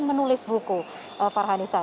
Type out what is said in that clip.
menulis buku farhanisa